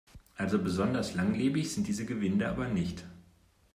Also besonders langlebig sind diese Gewinde aber nicht.